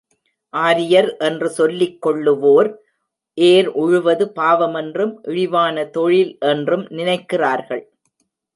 ஆரியர் என்று சொல்லிக்கொள்ளுவோர், ஏர் உழுவது பாவமென்றும், இழிவான தொழில் என்றும் நினைக்கிறார்கள்.